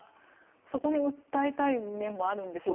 そこに訴えたい面もあるんでしょうか。